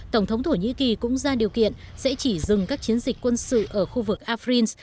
tổng thống thổ nhĩ kỳ cũng ra điều kiện sẽ chỉ dừng các chiến dịch quân sự ở khu vực afrins